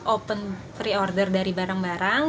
open free order dari barang barang